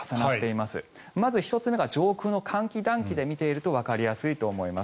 まず１つ目が上空の寒気・暖気で見ていくとわかりやすいと思います。